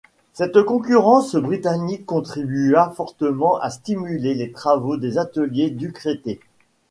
Cette concurrence britannique contribua fortement à stimuler les travaux des ateliers Ducretet.